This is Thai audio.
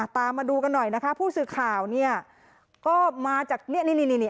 ตามมาดูกันหน่อยนะคะผู้สื่อข่าวเนี่ยก็มาจากเนี่ยนี่นี่